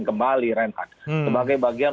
kembali renhat sebagai bagian